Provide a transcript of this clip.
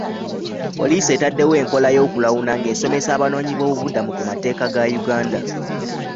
Poliisi ettaddewo enkola y'okulawuna nga esomesa abanoonyiboobubudamu ku mateeka ga Uganda.